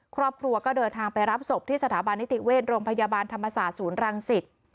ครอบครัวก็เดินทางไปรับศพที่สถาบันนิติเวชโรงพยาบาลธรรมศาสตร์ศูนย์รังสิต